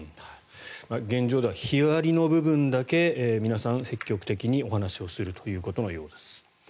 現状では日割りの部分だけ皆さん積極的にお話をするということのようです。